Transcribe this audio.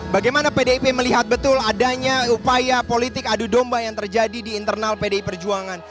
bagaimana pdip melihat betul adanya upaya politik adu domba yang terjadi di internal pdi perjuangan